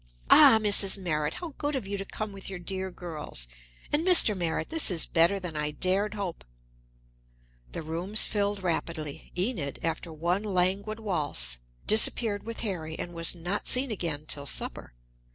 Ah, Mrs. Merritt, how good of you to come with your dear girls! And Mr. Merritt this is better than I dared hope." The rooms filled rapidly. Enid, after one languid waltz, disappeared with Harry and was not seen again till supper.